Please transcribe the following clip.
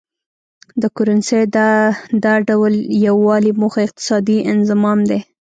د کرنسۍ د دا ډول یو والي موخه اقتصادي انضمام دی.